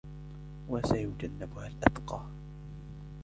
وَسَيُجَنَّبُهَا الْأَتْقَى